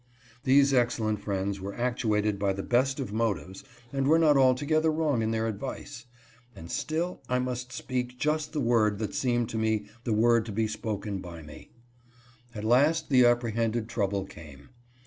These excellent friends were actuated by the best of motives and were not altogether wrong in their advice ; and still I must speak just the word that seemed to me the word to be spoken by me. At last the apprehended trouble came.